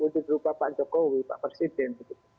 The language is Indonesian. terupa pak jokowi pak presiden